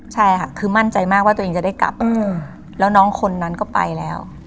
ใช่ค่ะคือมั่นใจมากว่าตัวเองจะได้กลับแล้วน้องคนนั้นก็ไปแล้ว